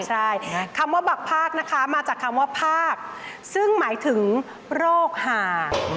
ใช่คำว่าบักภาคนะคะมาจากคำว่าภาคซึ่งหมายถึงโรคห่าง